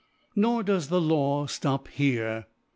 Nor doth the Law ftop here.